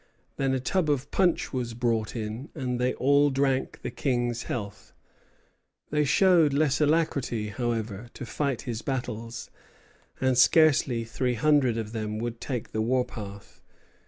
Then a tub of punch was brought in, and they all drank the King's health. They showed less alacrity, however, to fight his battles, and scarcely three hundred of them would take the war path.